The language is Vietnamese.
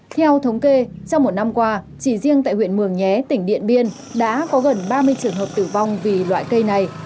theo thống kê trong một năm qua chỉ riêng tại huyện mường nhé tỉnh điện biên đã có gần ba mươi trường hợp tử vong vì loại cây này